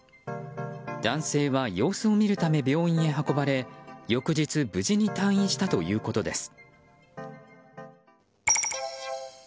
男性は様子を見るため病院へ運ばれ翌日、無事に退院したということです。